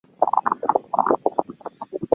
并不是每一种元件都遵守欧姆定律。